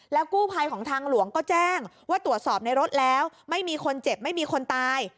กู้ภัยของทางหลวงก็แจ้งว่าตรวจสอบในรถแล้วไม่มีคนเจ็บไม่มีคนตาย